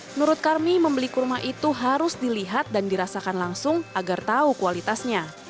menurut karmi membeli kurma itu harus dilihat dan dirasakan langsung agar tahu kualitasnya